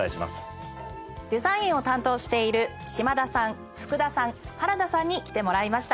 デザインを担当している島田さん福田さん原田さんに来てもらいました。